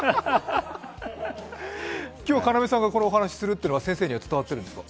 今日、要さんがこのお話するというのは要さんには伝わっているんですか？